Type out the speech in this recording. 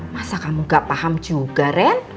masa kamu gak paham juga ren